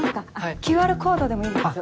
ＱＲコードでもいいですけど。